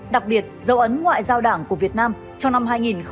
đặc biệt dấu ấn ngoại giao đảng của việt nam cho năm hai nghìn hai mươi ba